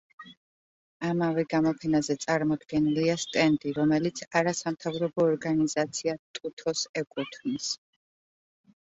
ამავე გამოფენაზე წარმოდგენილია სტენდი, რომელიც არასამთავრობო ორგანიზაცია „ტუთოს“ ეკუთვნის.